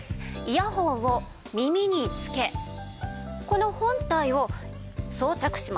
イヤホンを耳につけこの本体を装着します。